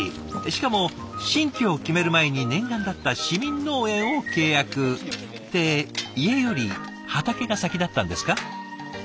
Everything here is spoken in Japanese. しかも新居を決める前に念願だった市民農園を契約って家より畑が先だったんですか？